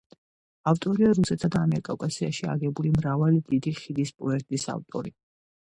ავტორია რუსეთსა და ამიერკავკასიაში აგებული მრავალი დიდი ხიდის პროექტის ავტორი.